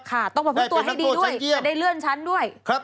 ได้เป็นตัวชั้นเยี่ยม